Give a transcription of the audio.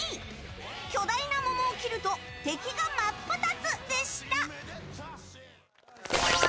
巨大な桃を切ると敵が真っ二つでした！